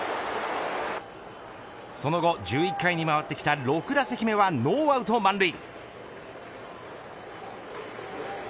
その後１１回に回ってきた６打席目はノーアウト満塁。